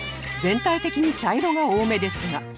全体的に茶色が多めですが